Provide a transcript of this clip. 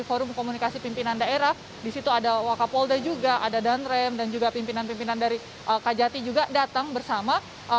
forum komunikasi pimpinan daerah di situ ada wakapolda juga ada danrem dan juga pimpinan pimpinan dari kajati juga datang bersama